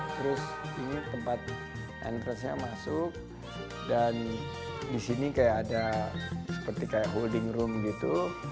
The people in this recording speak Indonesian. terus ini tempat entrance nya masuk dan disini kayak ada seperti kayak holding room gitu